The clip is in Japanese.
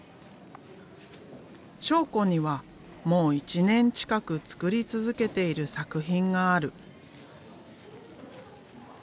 章子にはもう１年近く作り続けている作品がある。